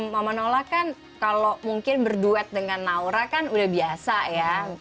mama nola kan kalau mungkin berduet dengan naura kan udah biasa ya